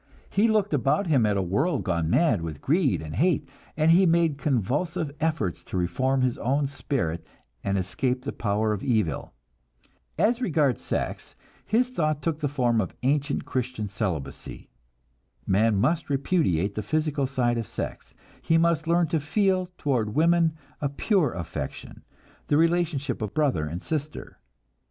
He looked about him at a world gone mad with greed and hate, and he made convulsive efforts to reform his own spirit and escape the power of evil. As regards sex, his thought took the form of ancient Christian celibacy. Man must repudiate the physical side of sex, he must learn to feel toward women a "pure" affection, the relationship of brother and sister.